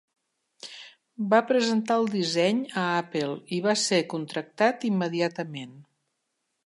Va presentar el disseny a Apple i va ser contractat immediatament.